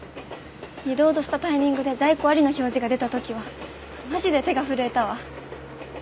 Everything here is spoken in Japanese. リロードしたタイミングで在庫ありの表示が出た時はマジで手が震えたわ。